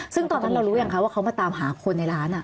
ซึ่งตอนนั้นเรารู้ยังคะว่าเขามาตามหาคนในร้าน